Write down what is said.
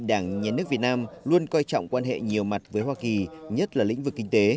đảng nhà nước việt nam luôn coi trọng quan hệ nhiều mặt với hoa kỳ nhất là lĩnh vực kinh tế